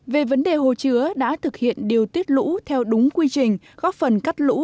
về vấn đề hồ chứa đã thực hiện điều tiết lũ theo đúng quy trình góp phần cắt lũ